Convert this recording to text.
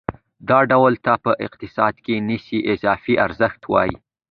دې ډول ته په اقتصاد کې نسبي اضافي ارزښت وايي